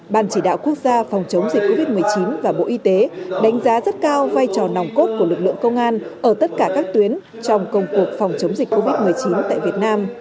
ban chỉ đạo quốc gia phòng chống dịch covid một mươi chín và bộ y tế đánh giá rất cao vai trò nòng cốt của lực lượng công an ở tất cả các tuyến trong công cuộc phòng chống dịch covid một mươi chín tại việt nam